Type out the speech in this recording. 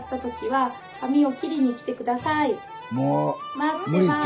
待ってます！